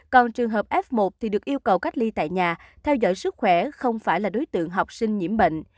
còn trường hợp f một thì được yêu cầu cách ly tại nhà theo dõi sức khỏe không phải là đối tượng học sinh nhiễm bệnh